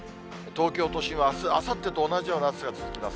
東京都心はあす、あさってと同じような暑さが続きます。